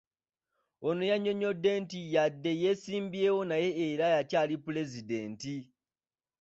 Ono annyonnyodde nti wadde yeesimbyewo naye era y'akyali Pulezidenti